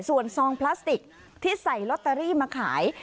ส่วนซองพลาสติกที่ใส่ลอตเตอรี่มาขาย